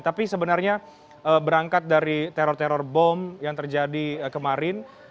tapi sebenarnya berangkat dari teror teror bom yang terjadi kemarin